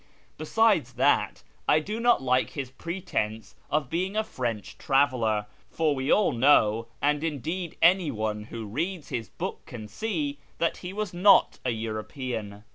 Besides that, I do not like his pretence of being a French traveller ; for we all know, and indeed any one who reads his book can see, that he was not a European.